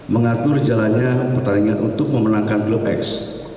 mengatur jalannya pertandingan untuk memenangkan klub x